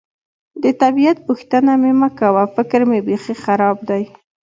د طبیعت پوښتنه مې مه کوه، فکر مې بېخي خراب دی.